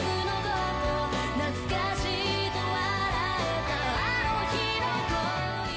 「懐かしいと笑えたあの日の恋」